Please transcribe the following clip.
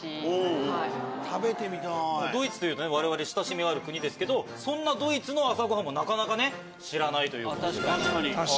ドイツというとわれわれ親しみがある国ですけどそんなドイツの朝ごはんもなかなか知らないということで。